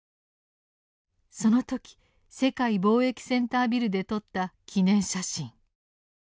その時世界貿易センタービルで撮った記念写真。